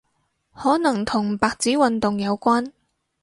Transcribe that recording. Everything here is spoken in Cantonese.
可能同白紙運動有關